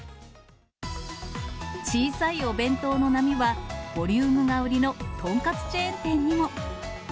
小さいお弁当の波は、ボリュームが売りの豚カツチェーン店にも。